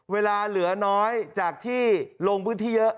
เวลาเหลือน้อยจากที่โรงพฤทธิเยอะ